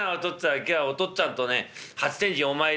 今日はお父っつぁんとね初天神お参りだ。